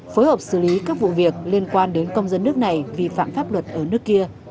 phối hợp xử lý các vụ việc liên quan đến công dân nước này vi phạm pháp luật ở nước kia